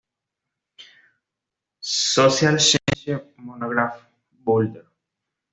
Social Science Monographs, Boulder.